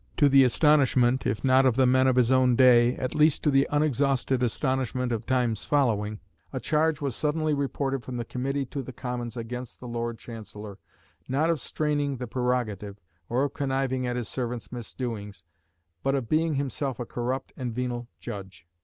To the astonishment, if not of the men of his own day, at least to the unexhausted astonishment of times following, a charge was suddenly reported from the Committee to the Commons against the Lord Chancellor, not of straining the prerogative, or of conniving at his servants' misdoings, but of being himself a corrupt and venal judge.